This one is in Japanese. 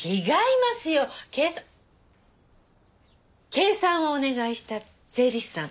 計算をお願いした税理士さん